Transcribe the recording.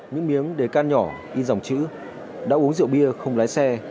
những miếng đề can nhỏ in dòng chữ đã uống rượu bia không lái xe